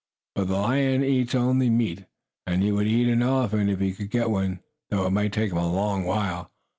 But the lion eats only meat, and he would eat an elephant if he could get one, though it might take him a long while.